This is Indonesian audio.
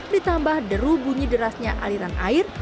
ditambah deru bunyi derasnya aliran air